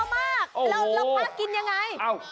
แล้วพระอินกินอย่างไร